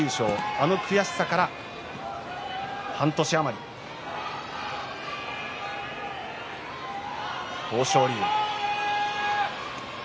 あの悔しさから半年余り豊昇龍。